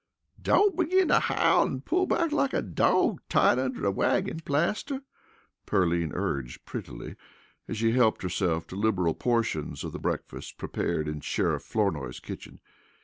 "Don't begin to howl an' pull back like a dawg tied under a wagin, Plaster," Pearline urged prettily, as she helped herself to liberal portions of the breakfast prepared in Sheriff Flournoy's kitchen.